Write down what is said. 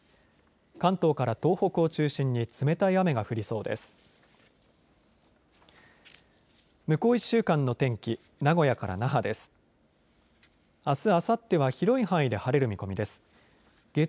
関東から東北を中心に冷たい雨が降りそうです。